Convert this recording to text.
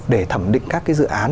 để thẩm định các cái dự án